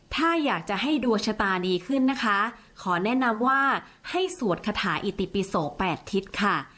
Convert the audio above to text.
ถ้าอยากจะให้ดวงชะตาดีขึ้นนะคะขอแนะนำว่าให้สวดคาถาอิติปิโส๘ทิศค่ะ